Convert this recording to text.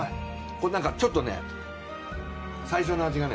これなんかちょっとね最初の味がね